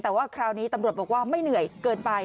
แต่ว่าคราวนี้ตำรวจบอกว่าไม่เหนื่อยเกินไป